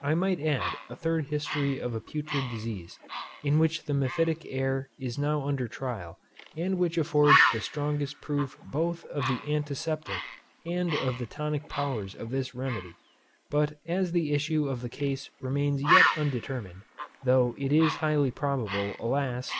I might add a third history of a putrid disease, in which the mephitic air is now under trial, and which affords the strongest proof both of the antiseptic, and of the tonic powers of this remedy; but as the issue of the case remains yet undetermined (though it is highly probable, alas!